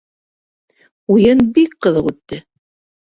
Уйын бик ҡыҙыҡ үтте..